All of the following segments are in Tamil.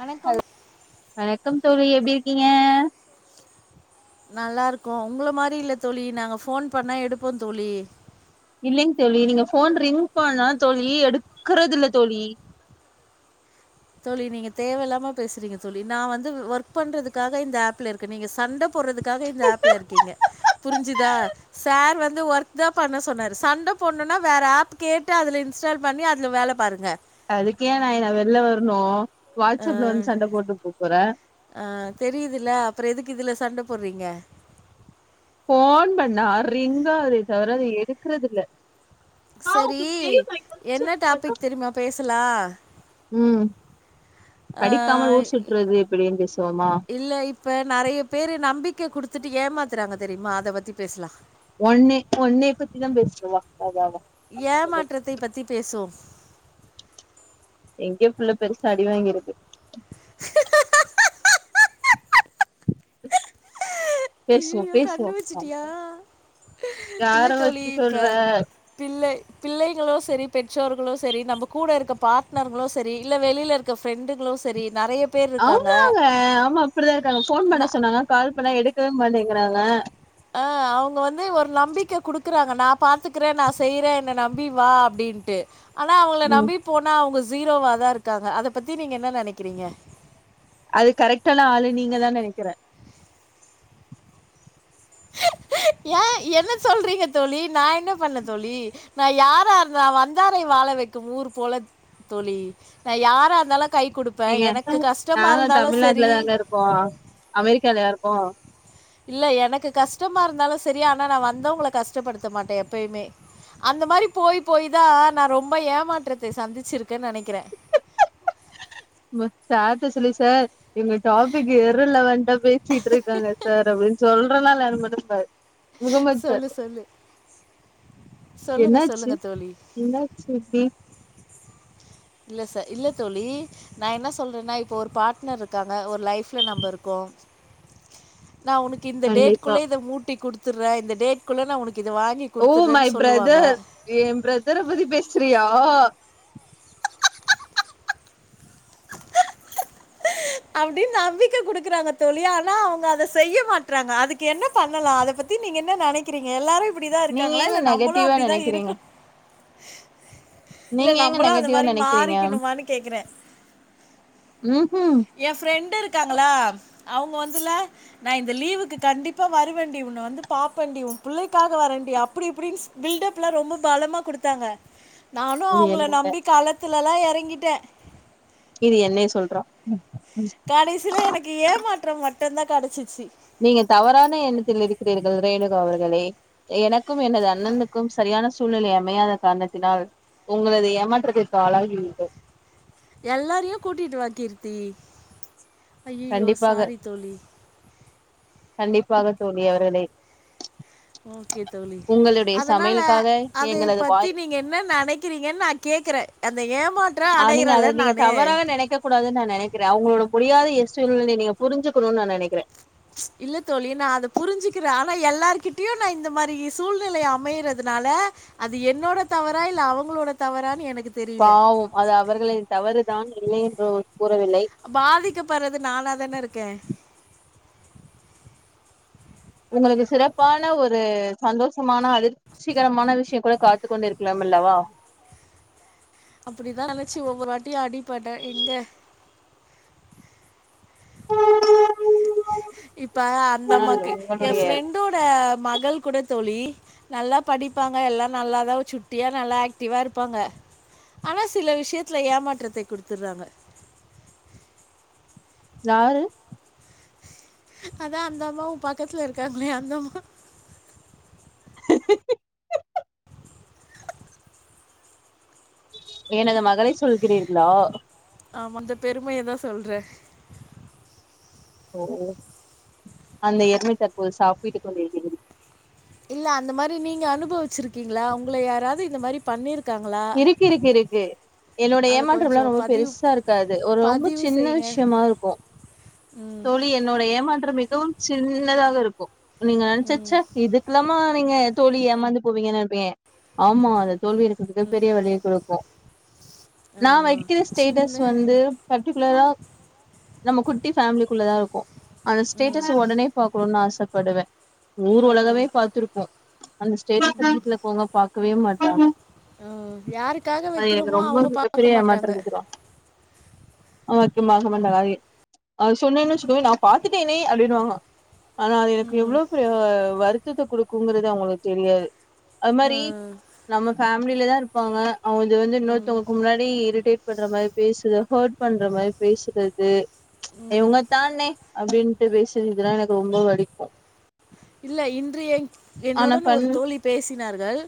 வணக்கம் வணக்கம் தோழி எப்டி இருக்கீங்க நல்லா இருக்கோ உங்கள மாரி இல்ல தோழி நாங்க ஃபோன் பண்ணா எடுப்போ தோழி இல்லிங்க தோழி நீங்க ஃபோன் ரிங் போண்ணா தோழி எடுக்கறத இல்ல தோழி தோழி நீங்க தேவையில்லாம பேசுறீங்க தோழி நா வந்து ஒர்க் பண்றதுக்காக இந்த ஆப்ல இருக்கே நீங்க சண்ட போறதுக்காக இந்த ஆப்ல இருக்கீங்க புரிஞ்சுதா சார் வந்து ஒர்க் தா பண்ண சொன்னாரு சண்ட போணுன்னா வேற ஆப் கேட்டு அதுல இன்ஸ்டால் பண்ணி அதுல வேல பாருங்க அதுக்கே ஏ நா என்ன வெளில வரணு வாட்ஸ்அப்ல வந்து சண்ட போட்டு கூப்புறே ஆ தெரியிதில்ல அப்புற எதுக்கு இதுல சண்ட போடுறீங்க ஃபோன் பண்ணா ரிங்காகுதே தவிர அத எடுக்கறதில்ல செரி என்ன டாபிக் தெரியுமா பேசலா ம் அ படிக்காமல் ஊர் சுற்றுவது எப்படின்னு பேசுவோமா இல்ல இப் ப நெறய பேரு நம்பிக்கை குடுத்துட்டு ஏமாத்துறாங்க தெரியுமா அத பத்தி பேசலா ஒன்னே ஒண்ணே பத்தி தா பேசிட்டு வா வா வா வா ஏமாற்றத்தை பத்திப் பேசுவோ எங்கேயோ புள்ள பெருசா அடி வாங்கியிருக்கு பேசுவோ ஐய்யயோ கண்டு பேசுவோ வச்சுட்டியா இல்ல யார தோழி வச்சு இப்ப சொல்ற பிள்ளை பிள்ளைங்களு செரி பெற்றோர்களு செரி நம்ம கூட இருக்க பார்ட்னர்களு செரி இல்ல வெளியில இருக் க ப்ஃரெண்டுகளு செரி நெறைய பேர் இருக்காங்க. ஆமாங்க ஆமா அப்டிதா இருக்காங்க ஃபோன் ந பண்ண சொன்னாங்க கால் பண்ண எடுக்கவே மாட்டேங்கிறாங்க ஆ அவ்ங்க வந்து ஒரு நம்பிக்க குடுக்குறாங்க நா பாத்துக்கறே நா செய்யறே என்ன நம்பி வா அப்டின்னு டு ஆனா அவங்ள ம் நம்பி போனா அவ்ங்க ஜீரோவ தா இருக்காங்க அத பத்தி நீங்க என்ன நெனக்கிறீங்க அதுக் கரெக்டான ஆளு நீங்க தா நெனக்கிற ஏ என்ன சொல்றீங்க தோழி நா என்ன பண்ண தோழி நா யாரார்ந்த நா வந்தாரை வாழ வைக்கும் ஊர் போல தோழி நா யாரா இருந்தாலு கை குடுப்ப ஏங்க எனக்கு கஸ்ட்டமா இருந்தாலு செரி போ அமெரிக்காலயா இருக்கோ இல்ல எனக்கு கஸ்ட்டமா இருந்தாலு செரி ஆனா நா வந்தவுங்க கஸ்ட்டப்படுத்த மாட்ட எப்பயுமே அந்த மாரி போயி போயி தா நா ரொம்ப ஏமாற்றத்தை சந்திச்சிருக்கேன் நெனக்கிறே மு சார்ட்ட சொல்லி சார் எங்க டாப்பிக் எரு லவன்ட்டா பேசிட்ருக்காங்க சார் அப்டின் சொல்றனா இல்லயானு மட்டு பாரு சொல்லு முகம்மத்சட் சொல்லு சொல்லுங்க என்னாச்சு சொல்லுங்க தோழி என்னாச்சு ரித்தி இல்ல ச இல்ல தோழி நா என்ன சொல்றேன்னா இப்ப ஒரு பாட்னர் ருக்காங்க ஒரு லைஃப்ல நம்ப இருக்கோ நா உனுக் இந்த கண்டிப்பா டேட்குள்ள இத மூட்டி குடுத்துற்ற இந்த டேட்குள்ள நா உனக்கு இத வாங்கி ஓ மை குடுத்துர்றேன்னு சொல்லுவாங்க பிரதர் ஏ பிரதர பத்தி பேசுறியா அப்டின்னு நம்பிக்க குடுக்குறாங்க தோழி ஆனா அவுங்க அத செய்ய மாட்றாங்க அதுக்கு என்ன பண்ணலா அத பத் தி நீங்க என்ன நெனக்கிறீங்க எல்லாரயு ப்படிதா நீங்க இருக்காங்களா ஏங்க இல்ல நம்பளு நெகட்டிவா அப்டிதா நெனைக்கிறீங்க இருக்கு இல்ல நீங்க ஏங்க நம்பளு அந்த நெகட்டிவா மாரி நெனைக்கிறீங்க மாரிக்கெணுமானு கேக்குறே ம் ஹு ஏ ஃப்ரெண்டு இருக்காங்களா அவுங்க வந்துல நா இந்த லீவுக்கு கண்டிப்பா வருவன்டி உன்ன வந்து பாப்பன்டி உன் புள்ளைக்காக வரன்டி அப்புடி இப்புடின் பில்டப்லா ரொம்ப பலமா குடுத்தாங்க நானு இது அவுங்ள என்ன நம்பி காலத்துலலா எறங்கிட்ட இது என்னய சொல்றா கடைசில எனக்கு ஏமாற்றம் மட்டுந்தா கடச்சிச்சு நீங்க தவறான எண்ணத்தில் இருக்கிறீர்கள் ரேணுகா அவர்களே எனக்கும் எனது அண்ணனுக்கும் சரியான சூழ்நலை அமையாத கார்ணத்தினால் உங்களது ஏமாற்றத்திற்கு ஆளாகி [unintelligible] எல்லாரையு கூட்டிட்டு வா கீர்த்தி ஐயயோ கண்டிப்பாக சாரி தோழி கண்டிப்பாக தோழி அவர்களே ஓகே தோழி உங்களுடைய அதனால சமையலுக்காக அதே எங்களது பத்தி வாய் நீங்க என்ன நெனக்கிறீங்கன் நா கேக்குற அந்த ஏமாற்ற அடைறல்ல நானு கூடாது நா நெனக்கிற அவுங்குளோட புரியாத எ ஸ்டூனலைய நீங்க புரிஞ்சுக்குணு நா நெனைக்கிற இல்ல தோழி நா அத புரிஞ்சுக்கிற ஆனா எல்லார்கிட்யு நா இந்த மாரி சூழ்நலைய அமைறதுனால அது என்னோட தவறா இல்ல அவங்ளோட தவறான் எனக்கு தெரியல பாவோ அது அவர்களை தவறுதான் இல்லை என்று கூறவில்லை பாதிக்கபற்றது நானா தான இருக்கே உங்களுக்கு சிறப்பான ஒரு சந்தோஷமான அதிர் சீகரமான விஷ்ய கூட காத்துக்கொண்டிருக்லாம் இல்லவா அப்புடிதா நெனைச்சு ஒவ்வொரு வாட்டியு அடிப்பட்ட இந்த இப்ப அந்த ஆனால் அம்மாக்கு எ உங்களுடைய ஃப்ரெண்டோட மகள் கூட தோழி நல்லா படிப்பாங்க எல்லாம் நல்லாதா சுட்டியா நல்லா ஆக்டிவா இருப்பாங்க ஆனா சில விஷயத்துல ஏமாற்றத்தை குடுத்துடுறாங்க யாரு அதா அந்த அம்மா உன் பாக்கத்துல இருக்காங்களே அந்த அம்மா எனது மகளை சொல்கிறீர்களா ஆம் அந்த பெருமையதா சொல்றே ஓ அந்த எருமை தற்போது சாப்பிட்டு கொண்டிருக்கு இல்ல அந்த மாரி நீங்க அனுபவிச்சிருக்கீங்ளா உங்கள யாராவது இந்த மாரி பண்ணியிருக்காங்களா இருக்கு இருக்கு இருக்கு என்னோட அத கொஞ்சோ ஏமாற்றமெல்லாம் ரொம்ப பதிவு பெருசா இருக்காது ஒரு ரொம்போ பதிவு சின்ன செய்யுங்க விஷ்யமா இருக்கும் ம் தோழி என்னோட ஏமாற்றம் மிகவும் சின்னதாக இருக்கும் நீங்க நெனச்சா ச்எ இது குல்லாமா நீங்க தோழி ஏமாந்து போவீங்கன் நெனைப்பீங்க ஆமா அத தோல்வி ங்கிறது மிகப்பெரிய வலிய கொடுக்கும் ஆ நா வைக்கிற ஸ்டேட்டஸ் சின்ன வந்து பர்டிகுலரா நம்ம குட்டி ஃபேமிலிக்குள்ள தா இருக்கும் அந்த ம் ஸ்டேட்டஸ் ஒடனே பாக்கணுனு ஆசைப்படுவேன் ஊர் ஆ உலகமே பாத்திருக்கும் அந்த ஸ்டேஸ்ல வீட்ல இருக்கவங்க பாக் கவே மாட்டாங்க ம். யாருக்காக அது எனக்கு வைக்கிறோமோ ரொம்ப அவங்க பாக்க மிகப்பெரிய மாட்டாங்க. ஏமாட்டரஇது தா அவனுக்கு மாசமண்ட காி அ சொன்னேன்னு வெச்சிக்கோவேன் நான் பாத்துட்டேன்னே அப்டின்டுவாங்க ஆனா அது எனக்கு எவ்ளோ பெரிய வருத் டத்த குடுக்குங்கறது அவங்களுக்கு தெரியாது அது மாரி ம். நம்ம ஃபேமிலில தா இருப்பாங்க அவங்க து வந்து இன்னொத்தவங்ளுக்கு முன்னாடி இரிட்டேட் பண்ற மாரி பேசுற ஹெர்ட் பண்ற மாரி பேசுறது இவங்க தானே அப்டின்ட்டு பேசுறதுல்லா எனக்கு ரொம்ப வலிக்கும் இல்ல இன்று என் என்னுடன் ஒரு பண் தோழி பேசினார்கள்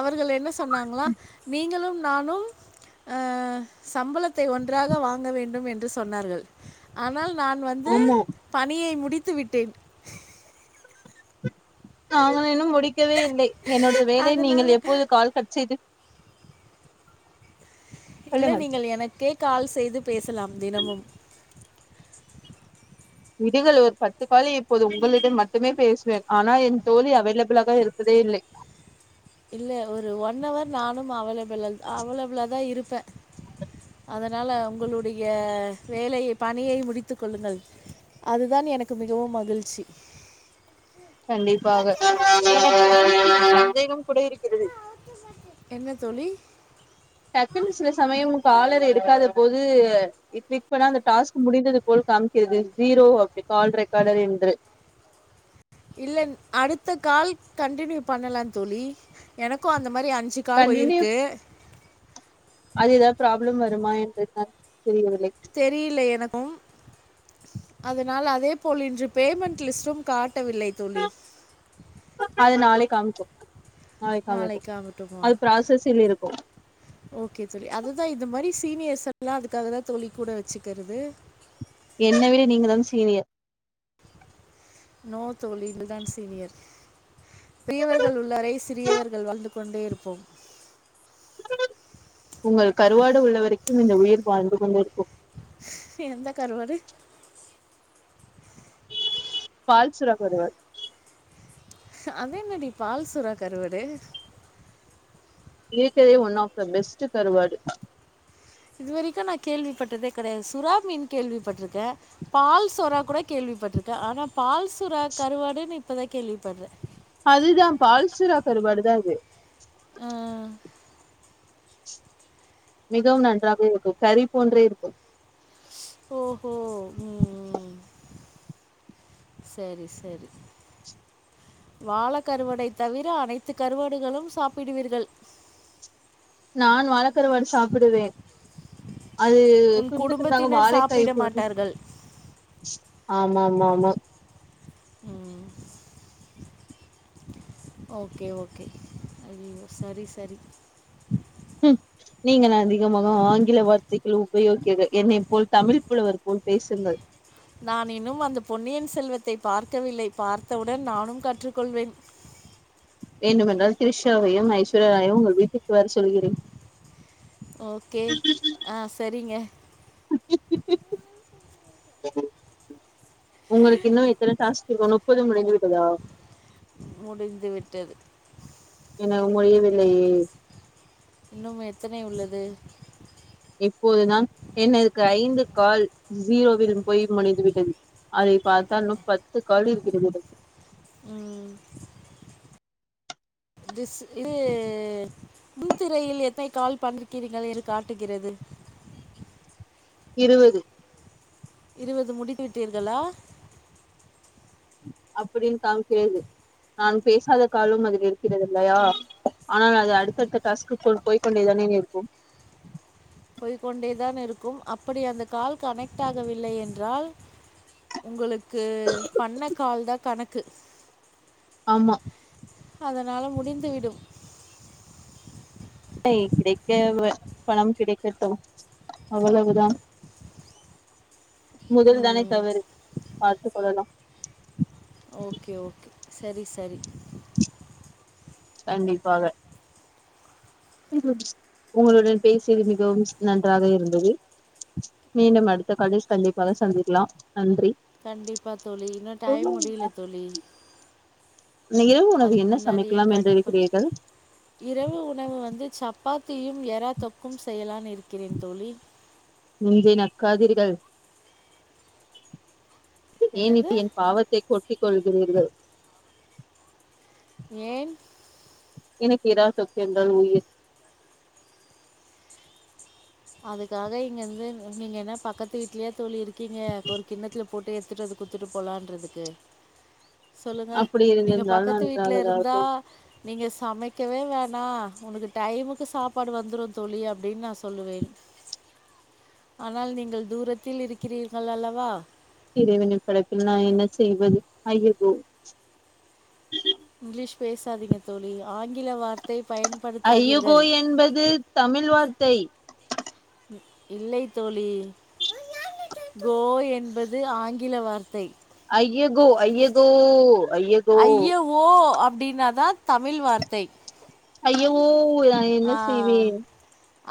அவர்கள் என்ன சொன்னாங்களா நீங்களும் நானும் அன் சம்பளத்தை ஒன்றாக வாங்க வேண்டும் என்று சொன்னார்கள் ஆனால் நான் வந்து ஆமா பணியை முடித்து விட்டேன் நாங்கள் இன்னும் முடிக்கவே இல்லை என்னோட வேலை அதனால நீங்கள் எப்போது கால் கட் செய்து இல்ல சொல்லுங்கள் நீங்கள் எனக்கே கால் செய்து பேசலாம் தினமும் விடுங்கள் ஒரு பத்து காலி இப்போது உங்களிடம் மட்டுமே பேசுவேன் ஆனா என் தோழி அவைலபிளாக இருப்பதே இல்லை இல்ல ஒரு ஒன் ஹவர் நானும் அவைலபிள அவைலபிள தா இருப்பேன் அதனால உங்குளுடைய வேலையை பணியை முடித்து கொள்ளுங்கள் அதுதான் எனக்கு மிகவும் மகிழ்ச்சி கண்டிப்பாக [unintelligible] சந்தேகம் கூட இருக்கிறது என்ன தோழி டக்குன்னு சில சமயம் காலர் எடுக்காத போது இ இப்ப நா அந்த டாஸ்க் முடிந்தது போல் காமிக்கிறது ஜீரோ அப்டி கால் ரெக்கார்டர் என்று இல்ல அடுத்த கால் கண்டினியூ பண்ணலான் தோழி எனக்கும் அந்த மாதிரி அஞ்சு கால் கண்டினியூ போயிருக்கு அது ஏதாவது ப்ராப்ளம் வருமா என்றதுதான் தெரியவில்லை தெரியில்ல எனக்கும் அதனால் அதே போல் இன்று பேமண்ட் லிஸ்டும் காட்டவில்லை தோழி அது நாளை காமிக்கும் நாளை காமிக்கும் அது ப்ராசஸில் இருக்கும் ஓகே தோழி அதுதான் இந்த மாரி சீனியர்ஸ் எல்லாம் அதுக்காகதா தோழி கூட வச்சுக்கிறது என்னை விட நீங்க தான் சீனியர் நோ தோழி இது தான் சீனியர் பெரியவர்கள் உள்ளவரை சிறியவர்கள் வாழ்ந்து கொண்டே இருப்போம் உங்கள் கருவாடு உள்ள வரைக்கும் இந்த உயிர் வாழ்ந்து கொண்டிருக்கும் எந்த கருவாடு பால்சுரா கருவாடு அது என்னடி பால்சுறா கருவாடு இருக்கதே ஒன் ஆஃப் த பெஸ்ட் கருவாடு இது வரைக்கு நா கேள்விப்பட்டதே கெடையாது சுறாமீன் கேள்விப்பட்டிருக்கே பால்சுறா கூட கேள்விப்பட்டிருக்கே ஆனா பால்சுறா கருவாடுன்னு இப்பதா கேள்வி பட்றே அதுதா பால்சுறா கருவாடு தா அது ஆ அ மிகவும் நன்றாவே இருக்கு கறி போன்றே இருக்கும் ஓஹோ ம் ம் சரி சரி வாழ கருவாடை தவிர அனைத்து கருவாடுகளும் சாப்பிடுவீர்கள் நான் வாழக்கருவாடு சாப்பிடுவேன் அது உன் துண்டு துண்டாக குடும்பத்தினர் வாழைக்கா சாப்பிட போரும் மாட்டார்கள் ஆமா மா மா ம் ஓகே ஓகே ஐயய்யோ சரி சரி நீங்க தான் அதிகமாக ஆங்கில வார்த்தைகளை உபயோகிக்கிரி என்னை போல் தமிழ் புலவர் போல் பேசுங்கள் நான் இன்னும் அந்த பொன்னியின் செல்வத்தை பார்க்கவில்லை பார்த்தவுடன் நானும் கற்றுக்கொள்வேன் வேண்டுமென்றால் த்ரிஷாவையும் ஐஸ்வர்யாராயயும் உங்கள் வீட்டுக்கு வர சொல்கிறேன் ஓகே ஆ சரிங்க உங்களுக்கு இன்னு எத்தன டாஸ்க்கு இருக்கு முப்பது முடிஞ்சு விட்டதா முடிந்துவிட்டது. என்னால் முடியவில்லயே இன்னும் எத்தனை உள்ளது இப்போதுதான் எனக்கு ஐந்து கால் ஜீரோவில் போய் முடிந்துவிட்டது அதை பாத்தா இன்னு பத்து கால் இருக்குது மீதம் ம். திஸ் இது முன்திரையில் எத்தனை கால் பண்ணிருக்கிறீங்கள் என்று காட்டுகிறது இருவது இருவது முடித்து விட்டீர்களா அப்டின்னு காம்க்காது நாம் பேசாத காலும் அதில் இருக்கிறது இல்லையா ஆனால் அது அடுத்த அடுத்த டாஸ்கு போய் கொண்டே தானே இருக்கும் போய் கொண்டே தான் இருக்கும் அப்படி அந்த கால் கனெக்ட் ஆகவில்லை என்றால் உங்களுக்கு பண்ண கால் தா கணக்கு ஆமா அதனால முடிந்து விடும் [unintelligible] கிடைக்க பணம் கிடைக்கட்டும் அவ்வளவுதான் முதல் தானே ம் தவறு பார்த்து கொள்ளலா ஓகே ஓகே சரி சரி கண்டிப்பாக உங்களுடைய பேச்சு மிகவும் நன்றாக இருந்தது மீண்டும் அடுத்த காலில் கண்டிப்பாக சந்திக்கலாம் நன்றி கண்டிப்பா தோழி இன்னொ டைம் முடியல தோழி இன்னக் இரவு உணவு அதுக்கு என்ன முன்னாடியே சமைக்கலாம் கட் என்று பண் இருக்கிறீர்கள் இரவு உணவு வந்து சப்பாத்தியும் எறா தொக்கும் செய்யலானு இருக்கிறேன் தோழி நெஞ்சை நக்காதிர்கள் ஏன் என்னது இப்டி என் பாவத்தைக் கொட்டிக் கொள்கிறீர்கள் ஏன் எனக்கு இறால் தொக்கு என்றால் உயிர் அதுக்காக இங்க இருந்து நீங்க என்ன பக்கத்து வீட்லயா தோழி இருக்கீங்க ஒரு கிண்ணத்துல போட்டு எடுத்துறதுக்கு குத்துட்டு போலான்றதுக்கு சொல்லுங்க அப்படி நீங்க இருந்திருந்தால் பக்கத்து வீட்டுல நன்றாகதா இருந்தா இருக்கும் நீங்க சமைக்கவே வேனா ஒங்கக்கு டைமுக்கு சாப்பாடு வந்துரு தோழி அப்டின்னு நா சொல்லுவே ஆனால் நீங்கள் தூரத்தில் இருக்கிறீர்கள் அல்லவா இறைவனின் படைப்பில் நா என்ன செய்வது ஐயகோ இங்லீஷ் பேசாதிங்க தோழி ஆங்கில வார்த்தை பயன் ஐயகோ என்பது தமிழ் வார்த்தை இல்லை தோழி கோ என்பது ஆங்கில வார்த்தை ஐயகோ ஐயகோ ஐய ஐய ஓ அப்டினாதா தமிழ் வார்த்தை ஐயஓ இதா ஆ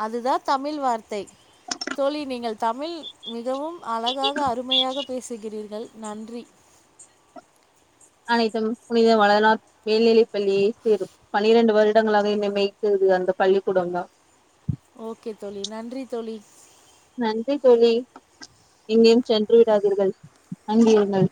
அதுதா தமிழ் வார்த்தை தோழி நீங்கள் தமிழ் மிகவும் அழகாக அருமையாக பேசுகிறீர்கள் நன்றி அனைத்தும் புனித வளளார் மேல்நிலை பள்ளியே சேரும் பனிரண்டு வருடங்களாக என்ன மேய்த்தது அந்த பள்ளிக்கூடந்தா ஓகே தோழி நன்றி தோழி நன்றி தோழி எங்கெயும் சென்று விடாதீர்கள் அங்கிருங்கள்